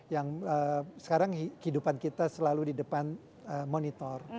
yang sekarang kehidupan kita selalu di depan monitor